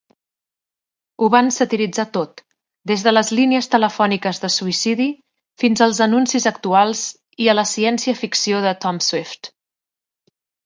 Ho van satiritzar tot, des de les línies telefòniques de suïcidi fins als anuncis actuals i a la ciència ficció de Tom Swift.